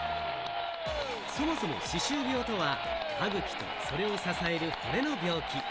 そもそも歯周病とは、歯ぐきと、それを支える骨の病気。